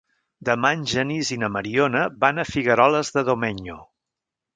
Demà en Genís i na Mariona van a Figueroles de Domenyo.